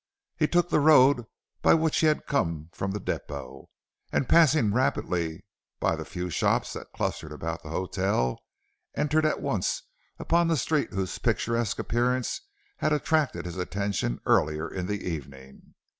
He took the road by which he had come from the depot, and passing rapidly by the few shops that clustered about the hotel, entered at once upon the street whose picturesque appearance had attracted his attention earlier in the evening.